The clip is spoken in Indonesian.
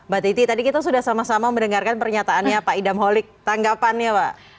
mbak titi tadi kita sudah sama sama mendengarkan pernyataannya pak idam holik tanggapannya pak